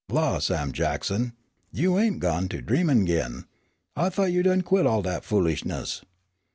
"La! Sam Jackson, you ain't gone to dreamin' agin. I thought you done quit all dat foolishness."